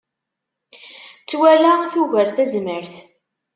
Ttwala tugar tazmert.